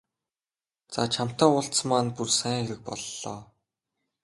За чамтай уулзсан маань бүр сайн хэрэг боллоо.